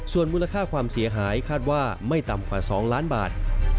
ส่วนมูลค่าความเสียหายคาดว่าไม่ต่ำกว่า๒ล้านบาท